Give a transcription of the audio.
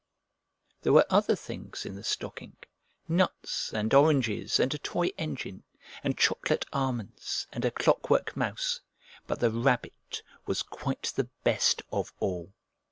There were other things in the stocking, nuts and oranges and a toy engine, and chocolate almonds and a clockwork mouse, but the Rabbit was quite the best of all.